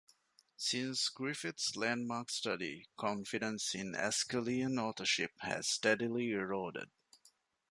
Since Griffith's landmark study, confidence in Aeschylean authorship has steadily eroded.